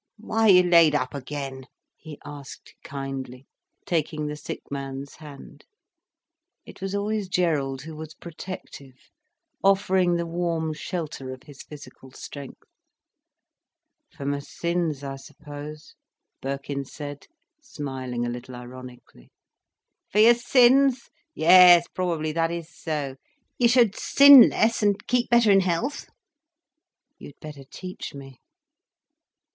"Why are you laid up again?" he asked kindly, taking the sick man's hand. It was always Gerald who was protective, offering the warm shelter of his physical strength. "For my sins, I suppose," Birkin said, smiling a little ironically. "For your sins? Yes, probably that is so. You should sin less, and keep better in health?" "You'd better teach me."